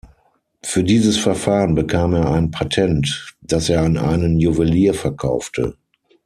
Für dieses Verfahren bekam er ein Patent, das er an einen Juwelier verkaufte.